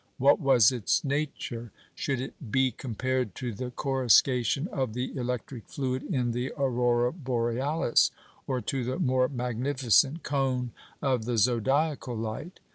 What was its nature? Should it "be compared to the coruscation of the electric fluid in the aurora borealis? or to the more magnificent cone of the zodiacal light?"